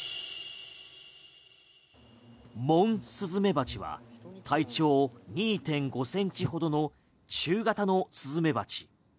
モンスズメバチは体長２．５センチほどの中型のスズメバチ。